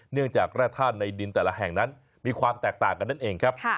เนื่องจากแร่ธาตุในดินแต่ละแห่งนั้นมีความแตกต่างกันนั่นเองครับ